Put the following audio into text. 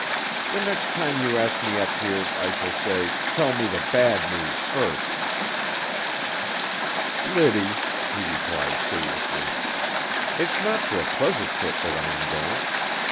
The next time you ask me up here I shall say: 'Tell me the bad news first!'" "Liddy," he replied seriously, "it's not for a pleasure trip that I am going.